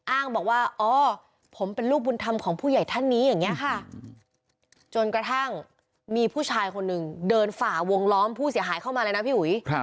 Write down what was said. อ้างบอกว่าอ๋อผมเป็นลูกบุญธรรมของผู้ใหญ่ท่านนี้อย่างนี้ค่ะจนกระทั่งมีผู้ชายคนหนึ่งเดินฝ่าวงล้อมผู้เสียหายเข้ามาเลยนะพี่อุ๋ย